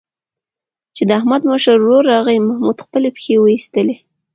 چې د احمد مشر ورور راغی، محمود خپلې پښې وایستلې.